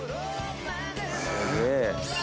「すげえ」